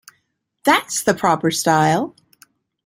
That’s the proper style.